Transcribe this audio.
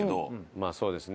まあそうですね。